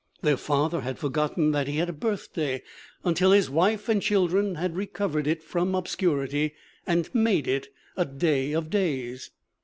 Their father had forgotten that he had a birthday until his wife and children had recovered it from obscurity and made it a day of days.